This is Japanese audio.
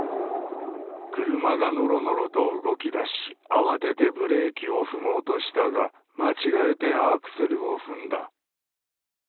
車がのろのろと動き出し、慌ててブレーキを踏もうとしたが、間違えてアクセルを踏んだ。